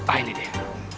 ah ini dia